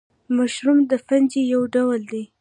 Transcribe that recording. مشروم د فنجي یو ډول دی